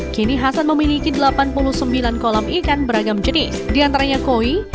kini hasan memiliki delapan puluh sembilan kolam ikan beragam jenis diantaranya koi